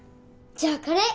じゃあカレー！